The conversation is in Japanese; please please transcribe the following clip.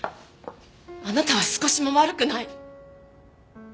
あなたは少しも悪くない。